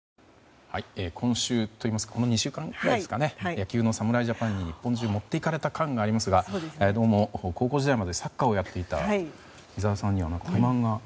野球の侍ジャパンに日本中、持っていかれた感がありますがどうも高校時代までサッカーをやっていた井澤さんには不満が？